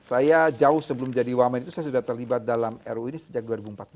saya jauh sebelum jadi wamen itu saya sudah terlibat dalam ru ini sejak dua ribu empat belas